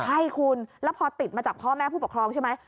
ใช่คุณแล้วพอติดมาจากพ่อแม่ผู้ปกครองใช่ไหม